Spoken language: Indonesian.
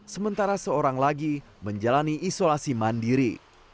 sementara seorang lagi menjalani isolasi mandiri